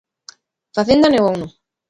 Facenda negouno.